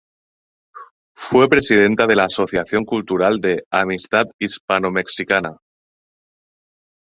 Fue presidenta de la Asociación Cultural de Amistad Hispano Mexicana.